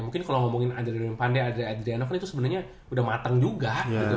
mungkin kalo ngomongin adrian pande adrian adriano kan itu sebenernya udah mateng juga